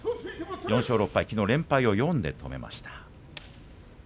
きのう連敗を４で止めました。